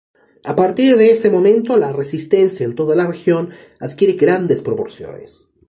A partir de ese momento, la resistencia en toda la región adquiere grandes proporciones.